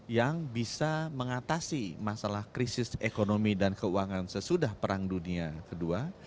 yang bisa mengatasi masalah krisis ekonomi dan keuangan sesudah perang dunia ii